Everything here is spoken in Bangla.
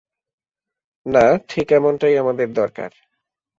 না, ঠিক এমনটাই আমাদের দরকার।